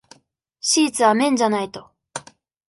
シーツは綿じゃないと。